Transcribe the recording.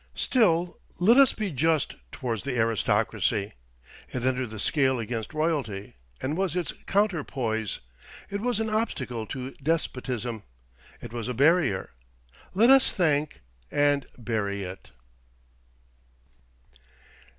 Still, let us be just towards the aristocracy. It entered the scale against royalty, and was its counterpoise. It was an obstacle to despotism. It was a barrier. Let us thank and bury it.